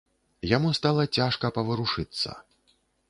Яму стала цяжка паварушыцца.